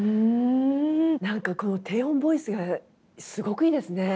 何かこの低音ボイスがすごくいいですね。